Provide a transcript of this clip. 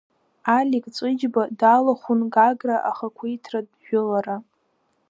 Алик Ҵәыџьба далахәын Гагра ахақәиҭтәратә жәылара.